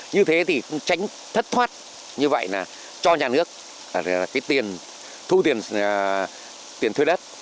như thế thì tránh thất thoát như vậy là cho nhà nước cái tiền thu tiền thuê đất